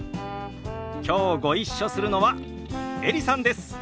きょうご一緒するのはエリさんです。